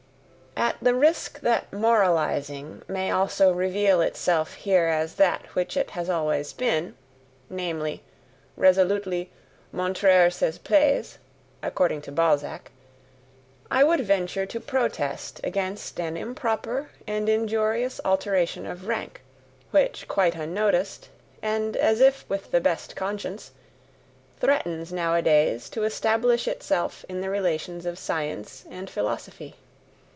At the risk that moralizing may also reveal itself here as that which it has always been namely, resolutely MONTRER SES PLAIES, according to Balzac I would venture to protest against an improper and injurious alteration of rank, which quite unnoticed, and as if with the best conscience, threatens nowadays to establish itself in the relations of science and philosophy.